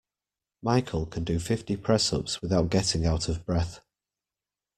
Michael can do fifty press-ups without getting out of breath